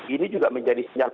ini juga menjadi sinyal